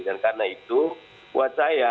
dan karena itu buat saya